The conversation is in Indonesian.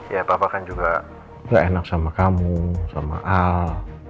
ya papa kan juga gak enak sama kamu sama al